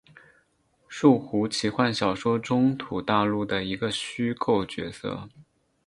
树胡奇幻小说中土大陆的一个虚构角色。